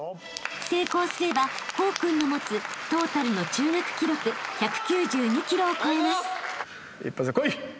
［成功すれば功君の持つトータルの中学記録１９２ｋｇを超えます］